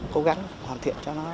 cố gắng hoàn thiện cho nó